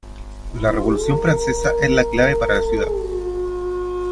La revolución francesa es clave para la ciudad.